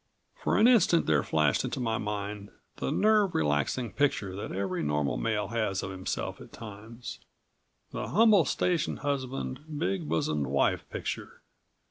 For an instant there flashed into my mind the nerve relaxing picture that every normal male has of himself at times the humble station husband, big bosomed wife picture.